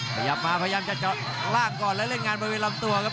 พยายามจะลากก่อนแล้วเล่นงานบริเวณลำตัวครับ